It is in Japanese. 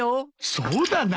そうだな。